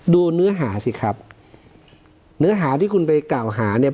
เนื้อหาสิครับเนื้อหาที่คุณไปกล่าวหาเนี่ย